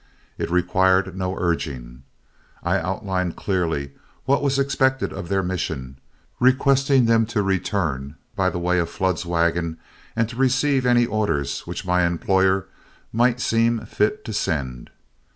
It required no urging; I outlined clearly what was expected of their mission, requesting them to return by the way of Flood's wagon, and to receive any orders which my employer might see fit to send.